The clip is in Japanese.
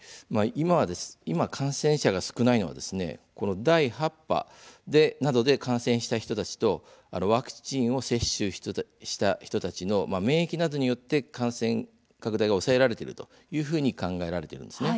今、感染者が少ないのは第８波などで感染した人たちとワクチンを接種した人たちの免疫などによって感染拡大が抑えられているというふうに考えられます。